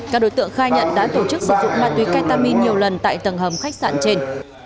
các đối tượng khai nhận đã tổ chức sử dụng ma túy ketamin nhiều lần tại tầng hầm khách sạn trên